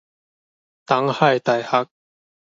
東海大學